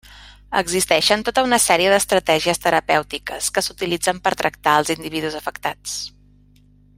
Existeixen tota una sèrie d'estratègies terapèutiques que s'utilitzen per tractar als individus afectats.